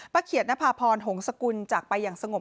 เขียดนภาพรหงษกุลจากไปอย่างสงบ